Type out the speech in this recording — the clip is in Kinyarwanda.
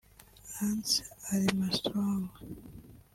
Lance Armstrong